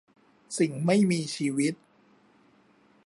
สิ่งไม่มีชีวิต